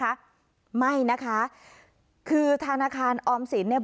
กรศเนี่ยนะคะไม่นะคะคือธนคารออมสินเนี่ย